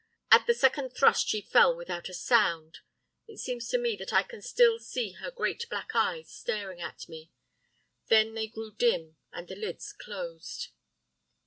At the second thrust she fell without a sound. It seems to me that I can still see her great black eyes staring at me. Then they grew dim and the lids closed.